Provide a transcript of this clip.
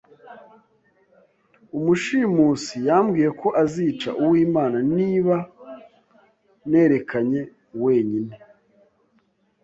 Umushimusi yambwiye ko azica Uwimana niba nterekanye wenyine.